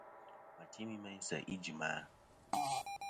Wà timi meyn sèʼ ijìm a?